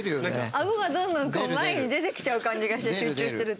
アゴがどんどんこう前に出てきちゃう感じがして集中すると。